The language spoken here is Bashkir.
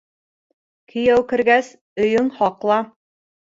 Кейәү кергәс, өйөң һаҡла.